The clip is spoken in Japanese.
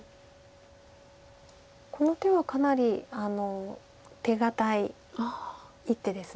この手はかなり手堅い一手です。